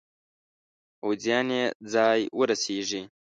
پوځیان یې ځای ورسیږي.